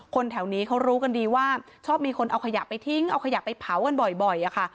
แถวนี้เขารู้กันดีว่าชอบมีคนเอาขยะไปทิ้งเอาขยะไปเผากันบ่อยอะค่ะ